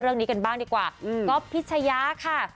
เรื่องนี้กันบ้างดีกว่าก๊อฟพิชยาค่ะ